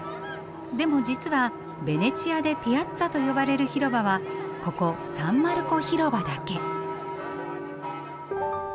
でも実はベネチアでピアッツァと呼ばれる広場はここサン・マルコ広場だけ。